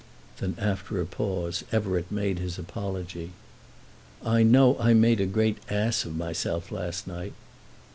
Then after a pause Everett made his apology, "I know I made a great ass of myself last night."